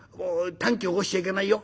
短気を起こしちゃいけないよ。